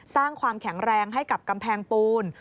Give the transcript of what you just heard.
สร้างความแข็งแรงให้กับกำแพงปูน